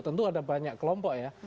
tentu ada banyak kelompok ya